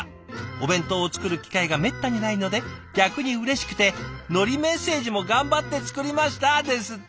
お弁当を作る機会がめったにないので逆にうれしくてのりメッセージも頑張って作りました」ですって！